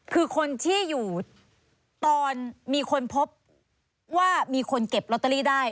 คือคนที่อยู่ตอนมีคนพบว่ามีคนเก็บลอตเตอรี่ได้